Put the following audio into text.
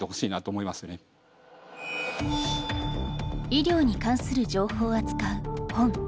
医療に関する情報を扱う本。